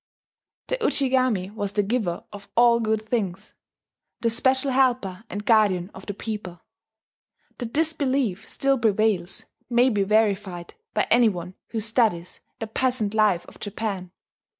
The Ujigami was the giver of all good things, the special helper and guardian of the people. That this belief still prevails may be verified by any one who studies the peasant life of Japan.